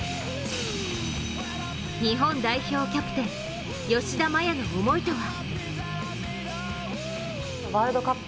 日本代表キャプテン吉田麻也の思いとは。